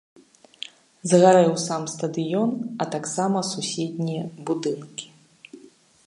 Згарэў сам стадыён, а таксама суседнія будынкі.